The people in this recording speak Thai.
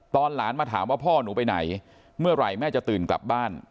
หลานมาถามว่าพ่อหนูไปไหนเมื่อไหร่แม่จะตื่นกลับบ้าน